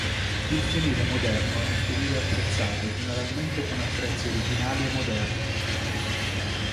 Il fienile moderno è un fienile attrezzato generalmente con attrezzi originali e moderni.